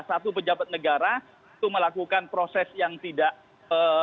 satu pejabat negara itu melakukan proses yang tidak